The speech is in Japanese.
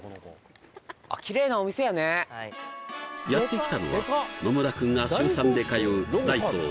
やって来たのは野村君が週３で通うダイソー